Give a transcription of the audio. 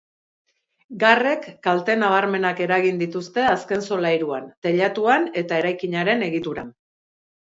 Garrek kalte nabarmenak eragin dituzte azken solairuan, teilatuan eta eraikinaren egituran.